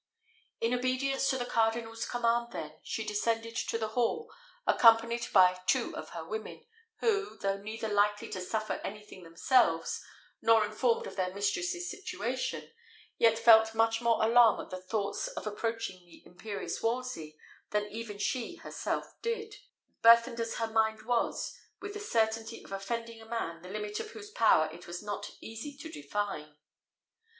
In obedience to the cardinal's command, then, she descended to the hall, accompanied by two of her women, who, though neither likely to suffer anything themselves, nor informed of their mistress's situation, yet felt much more alarm at the thoughts of approaching the imperious Wolsey than even she herself did, burthened as her mind was with the certainty of offending a man the limit of whose power it was not easy to define.